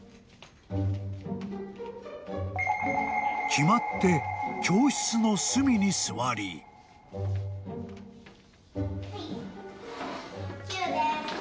［決まって教室の隅に座り］はい９です。